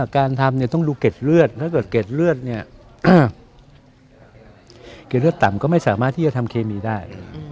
กฏรเต้นเลือดต่ำแล้วก็ไม่สามารถทีน้อทำเคมีได้